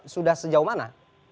sudah sejauh mana